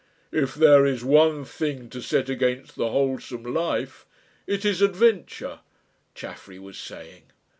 "If there is one thing to set against the wholesome life it is adventure," Chaffery was saying.